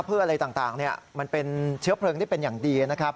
เพื่ออะไรต่างมันเป็นเชื้อเพลิงที่เป็นอย่างดี